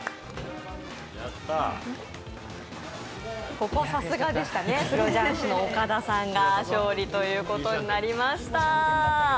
ここはさすがでしたね、プロ雀士の岡田さんが勝利となりました。